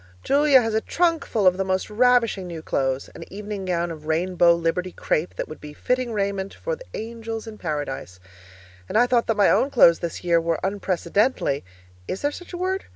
Julia has a trunkful of the most ravishing new clothes an evening gown of rainbow Liberty crepe that would be fitting raiment for the angels in Paradise. And I thought that my own clothes this year were unprecedentedly (is there such a word?)